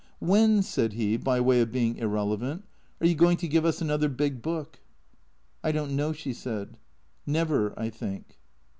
" When/' said he, by way of being irrelevant, " are you going to give us another big book ?"" I don't know," she said. " Never, I think."